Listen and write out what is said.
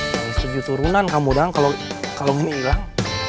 saya setuju turunan kamu dang kalo ini ilang